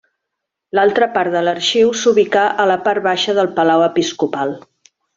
L'altra part de l'arxiu s'ubicà a la part baixa del palau episcopal.